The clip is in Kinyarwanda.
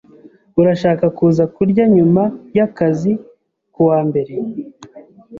Urashaka kuza kurya nyuma yakazi kuwa mbere?